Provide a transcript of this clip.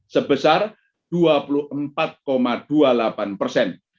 sebesar dua puluh dari kursus perbankan